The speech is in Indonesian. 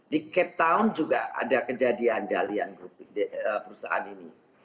di cape town juga ada kejadian dalian grup perusahaan ini